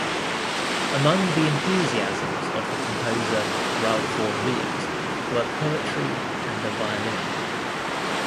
Among the enthusiasms of the composer Ralph Vaughan Williams were poetry and the violin.